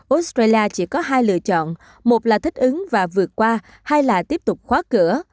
australia chỉ có hai lựa chọn một là thích ứng và vượt qua hai là tiếp tục khóa cửa